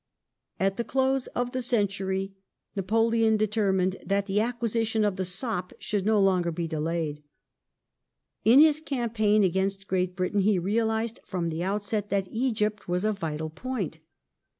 At the close of the century Napoleon determined that the acquisition of the sop should no longer be delayed. In his campaign against Great Britain he realized from the outset that Egypt was a vital point.